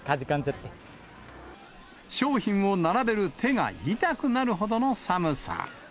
商品を並べる手が痛くなるほどの寒さ。